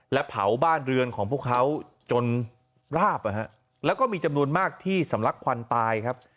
และเผาบ้านเรือนของพวกเขาจนราบแล้วก็มีจำนวนมากที่สำลักควันตายครับ